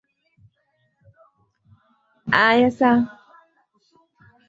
kituo cha mafunzo ya Msumbiji na elimu ya dunia kituo cha utafiti katika taasisi